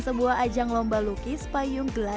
sebuah ajang lomba lukis payung gelar